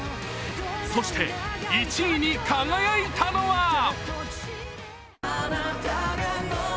そして１位に輝いたのは？